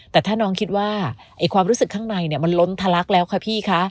แต่ถ้าน้องคิดว่าความรู้สึกข้างในมันล้นทะลักแล้วค่ะพี่คะ